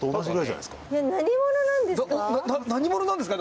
なな何者なんですか。